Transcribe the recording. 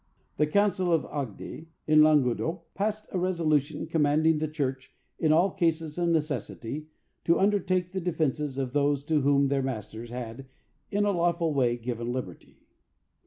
The Council of Agde, in Languedoc, passed a resolution commanding the church, in all cases of necessity, to undertake the defence of those to whom their masters had, in a lawful way, given liberty.